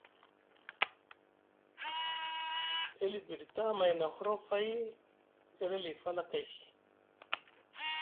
E libiɗi tamay na horofay e ɗi ali falakay.